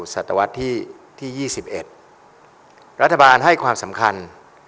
ศัตวรรษที่๒๑รัฐบาลให้ความสำคัญ